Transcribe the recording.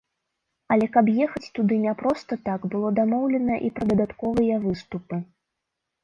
Але каб ехаць туды не проста так, было дамоўлена і пра дадатковыя выступы.